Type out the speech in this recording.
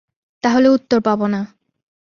তাহলে উত্তর পাবো না।